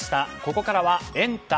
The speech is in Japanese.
ここからはエンタ！